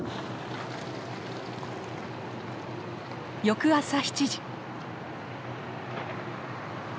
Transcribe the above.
翌朝７時。